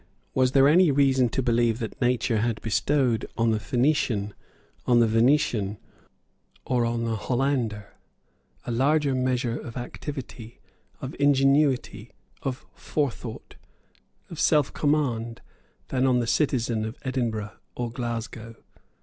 Was there any reason to believe that nature had bestowed on the Phoenician, on the Venetian, or on the Hollander, a larger measure of activity, of ingenuity, of forethought, of self command, than on the citizen of Edinburgh or Glasgow?